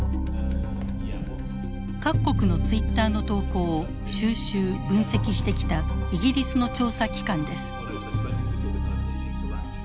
各国のツイッターの投稿を収集分析してきたイギリスの調査機関です。